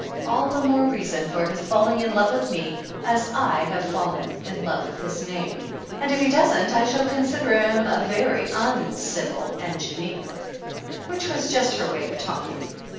"All the more reason for his falling in love with me, as I have fallen in love with his name, and if he doesn't I shall consider him a very mcivil engineer." Which was just her way of talking.